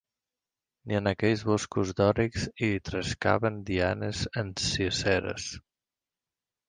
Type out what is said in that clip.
Ni en aquells boscos dòrics hi trescaven Dianes enciseres